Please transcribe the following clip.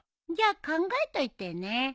じゃあ考えといてね。